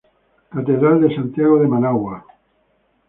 Catedral de Santiago de Managua